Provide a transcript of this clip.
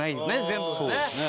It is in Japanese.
全部がね。